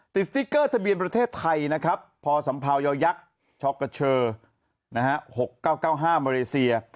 สติ๊กเกอร์ทะเบียนประเทศไทยนะครับพอสัมภาวยอยักษ์ช็อกกะเชอ๖๙๙๕มาเลเซีย